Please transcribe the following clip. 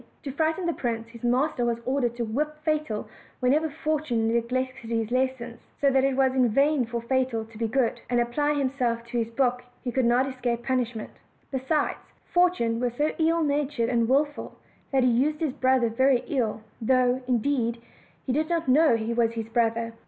To frighten the prince, his master was ordered to whip Fatal whenever Fortune neglected his lesson; so that it was in vain for Fatal to be good, and apply himself to his book he could not escape punish ment: besides, Fortune was so ill natured and willful that he used his brother very ill, though, indeed, he did not know he was his brother.